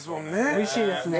美味しいですね。